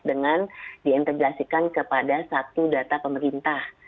dengan diintegrasikan kepada satu data pemerintah